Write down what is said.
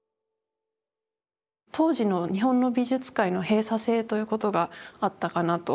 当時の日本の美術界の閉鎖性ということがあったかなと。